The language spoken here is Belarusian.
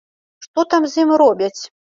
Што там з ім робяць?